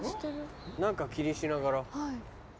何か気にしながら。